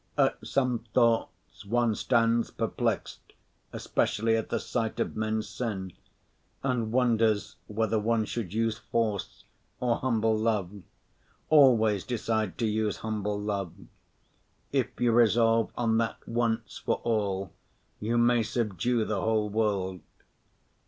At some thoughts one stands perplexed, especially at the sight of men's sin, and wonders whether one should use force or humble love. Always decide to use humble love. If you resolve on that once for all, you may subdue the whole world.